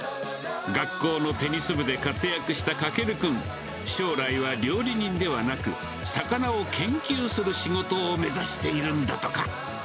学校のテニス部で活躍した翔君、将来は料理人ではなく、魚を研究する仕事を目指しているんだとか。